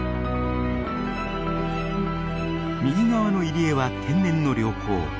右側の入り江は天然の良港。